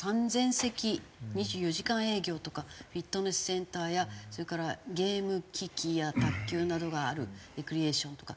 席２４時間営業とかフィットネスセンターやそれからゲーム機器や卓球などがあるレクリエーションとか。